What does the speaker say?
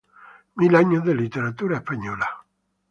Mil años de literatura española".